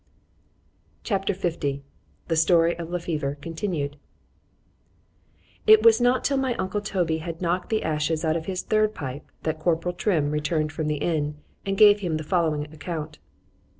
C H A P. L THE STORY OF LE FEVER CONTINUED IT was not till my uncle Toby had knocked the ashes out of his third pipe, that corporal Trim returned from the inn, and gave him the following account.